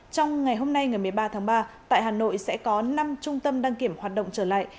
trong ngày hôm nay ngày một mươi ba tháng ba tại hà nội sẽ có năm trung tâm đăng kiểm hoạt động trở lại